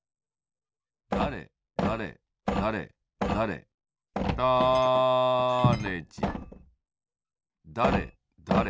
だれだれだれだれだれじんだれだれ